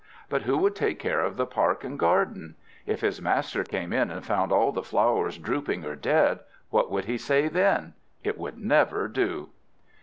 But who would take care of the park and garden? If his master came in and found all the flowers drooping or dead, what would he say then! It would never do.